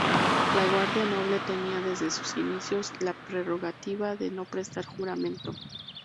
La Guardia Noble tenía desde sus inicios la prerrogativa de no prestar juramento.